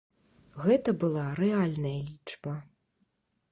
Гэта была рэальная лічба.